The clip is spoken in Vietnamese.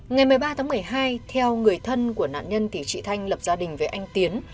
ngày một mươi ba tháng một mươi hai theo người thân của nạn nhân thì chị thanh lập gia đình với anh tiến